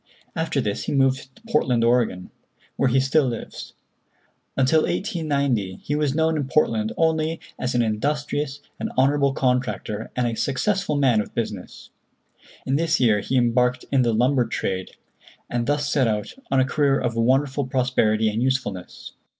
After this he moved to Portland, Oregon, where he still lives. Until 1890 he was known in Portland only as an industrious and honorable contractor and a successful man of business. In this year he embarked in the lumber trade, and thus set out on a career of wonderful prosperity and usefulness.